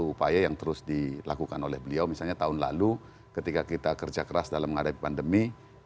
upaya yang terus dilakukan oleh beliau misalnya tahun lalu ketika kita kerja keras dalam menghadapi pandemi